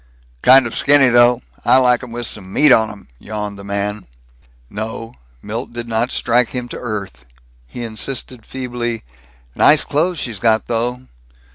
"Kind of skinny, though. I like 'em with some meat on 'em," yawned the man. No, Milt did not strike him to earth. He insisted feebly, "Nice clothes she's got, though."